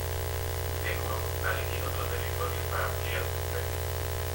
De nuevo a elegir otro territorio para ampliar tu imperio.